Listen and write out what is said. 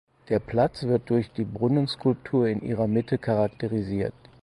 Der Platz wird durch die Brunnenskulptur in ihrer Mitte charakterisiert.